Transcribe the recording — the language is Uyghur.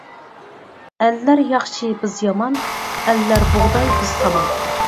ئەللەر ياخشى بىز يامان، ئەللەر بۇغداي بىز سامان.